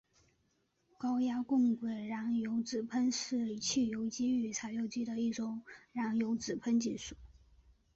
高压共轨燃油直喷是汽油机与柴油机的一种燃油直喷技术。